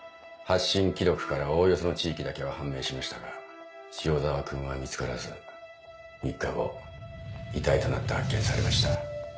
発信記録からおおよその地域だけは判明しましたが塩澤君は見つからず３日後遺体となって発見されました。